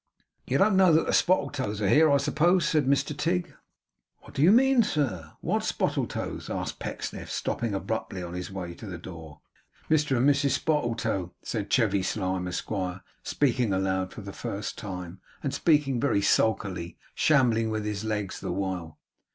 'You don't know that the Spottletoes are here, I suppose?' said Mr Tigg. 'What do you mean, sir? what Spottletoes?' asked Pecksniff, stopping abruptly on his way to the door. 'Mr and Mrs Spottletoe,' said Chevy Slyme, Esquire, speaking aloud for the first time, and speaking very sulkily; shambling with his legs the while.